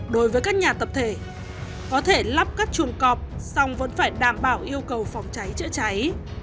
đối với các nhà tập thể có thể lắp các chuồng cọp song vẫn phải đảm bảo yêu cầu phòng cháy chữa cháy